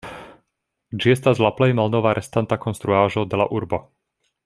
Ĝi estas la plej malnova restanta konstruaĵo de la urbo.